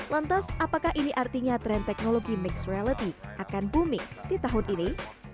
lantas apakah ini artinya tren teknologi mixed reality akan booming di tahun ini